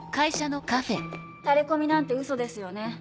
タレコミなんてウソですよね。